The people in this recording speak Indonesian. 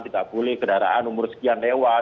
tidak boleh kendaraan umur sekian lewat